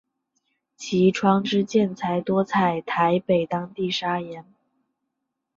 其窗之建材多采台北当地砂岩。